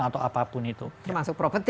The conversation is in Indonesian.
atau apapun itu termasuk properti